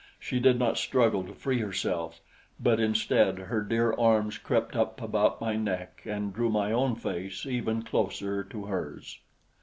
She did not struggle to free herself; but instead her dear arms crept up about my neck and drew my own face even closer to hers.